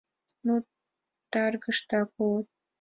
Ну, таргылтышак улыт!